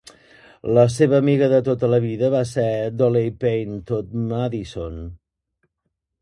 La seva amiga de tota la vida va ser Dolley Payne Todd Madison.